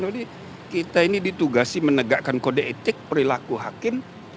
jadi kita ini ditugasi menegakkan kode etik perilaku hakim